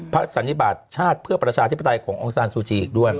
สันนิบาทชาติเพื่อประชาธิปไตยขององซานซูจีอีกด้วย